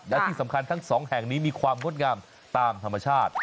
และที่สำคัญทั้งสองแห่งนี้มีความงดงามตามธรรมชาติ